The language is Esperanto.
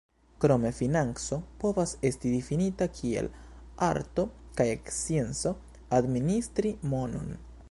Krome financo povas esti difinita kiel "arto kaj scienco administri monon.